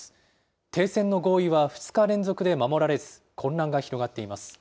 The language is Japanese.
停戦の合意は２日連続で守られず、混乱が広がっています。